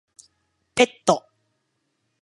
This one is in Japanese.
ペット